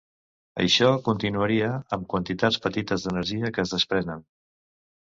Això continuaria, amb quantitats petites d'energia que es desprenen.